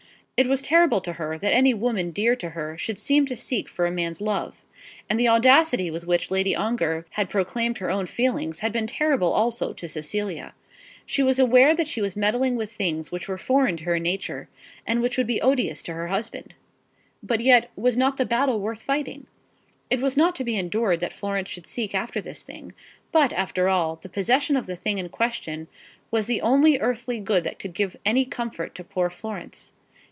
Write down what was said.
It was terrible to her that any woman dear to her should seem to seek for a man's love. And the audacity with which Lady Ongar had proclaimed her own feelings had been terrible also to Cecilia. She was aware that she was meddling with things which were foreign to her nature, and which would be odious to her husband. But yet, was not the battle worth fighting? It was not to be endured that Florence should seek after this thing; but, after all, the possession of the thing in question was the only earthly good that could give any comfort to poor Florence.